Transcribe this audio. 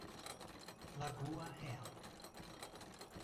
Lagoa Real